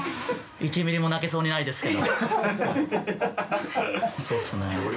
１ミリも泣けそうにないですけど。